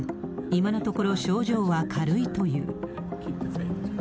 今のところ、症状は軽いという。